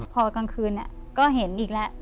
พอกลางคืนก็เห็นอีกแล้ว